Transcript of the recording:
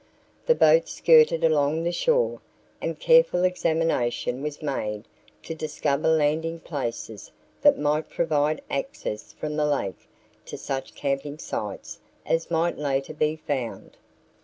The boat skirted along the shore and a careful examination was made to discover landing places that might provide access from the lake to such camping sites as might later be found.